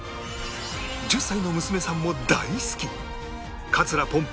１０歳の娘さんも大好き桂ぽん